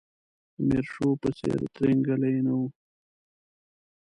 د میرشو په څېر ترینګلی نه و.